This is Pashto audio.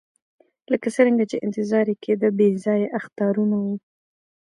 لکه څرنګه چې انتظار یې کېدی بې ځایه اخطارونه وو.